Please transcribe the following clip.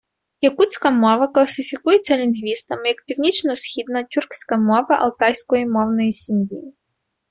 Якутська мова класифікується лінгвістами як північно-східна тюркська мова алтайської мовної сім'ї.